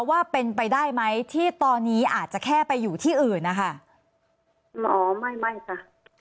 ว่าเป็นไปได้ไหมที่ตอนนี้อาจจะแค่ไปอยู่ที่อื่นนะคะหรอไม่ไม่ค่ะ